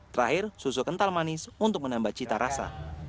terakhir susu kental manis untuk menambah cita rasa